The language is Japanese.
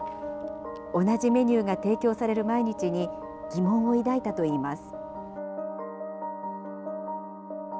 同じメニューが提供される毎日に、疑問を抱いたといいます。